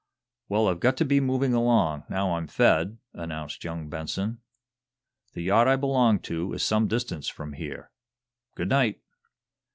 "Well, I've got to be moving along, now I'm fed," announced young Benson. "The yacht I belong to is some distance from here. Good night!"